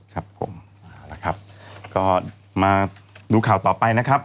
ครับผมเอาละครับก็มาดูข่าวต่อไปนะครับ